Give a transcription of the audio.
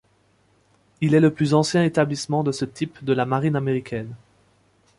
Il est le plus ancien établissement de ce type de la marine américaine.